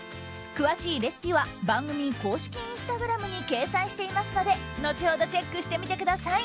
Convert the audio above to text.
詳しいレシピは番組公式インスタグラムに掲載していますので後ほどチェックしてみてください。